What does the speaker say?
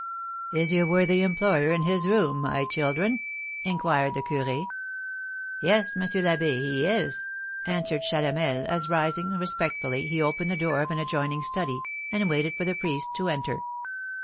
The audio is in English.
"Is your worthy employer in his room, my children?" inquired the curé. "Yes, M. l'Abbé, he is," answered Chalamel, as, rising respectfully, he opened the door of an adjoining study, and waited for the priest to enter.